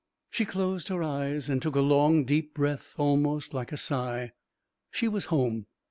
She closed her eyes and took a long deep breath almost like a sigh. She was home.